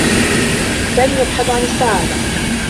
سامي يبحث عن السّعادة.